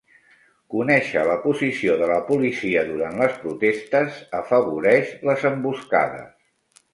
Conèixer la posició de la policia durant les protestes afavoreix les emboscades